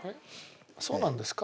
そうなんですか。